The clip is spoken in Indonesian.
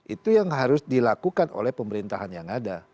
itu yang harus dilakukan oleh pemerintahan yang ada